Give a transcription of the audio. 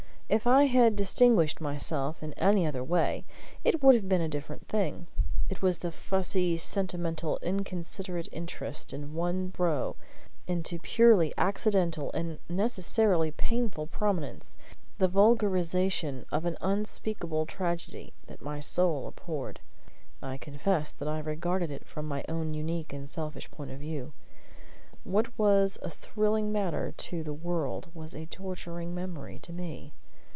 If I had distinguished myself in any other way, it would have been a different thing. It was the fussy, sentimental, inconsiderate interest in one thrown into purely accidental and necessarily painful prominence the vulgarization of an unspeakable tragedy that my soul abhorred. I confess that I regarded it from my own unique and selfish point of view. What was a thrilling matter to the world was a torturing memory to me.